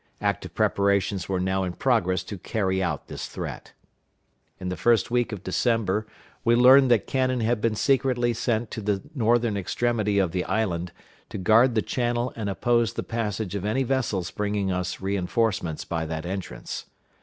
Active preparations were now in progress to carry out this threat. In the first week of December we learned that cannon had been secretly sent to the northern extremity of the island, to guard the channel and oppose the passage of any vessels bringing us re enforcements by that entrance.